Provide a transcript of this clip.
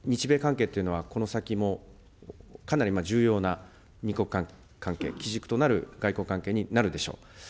その意味では、日米関係っていうのは、この先もかなり重要な２国間関係、基軸となる外交関係になるでしょう。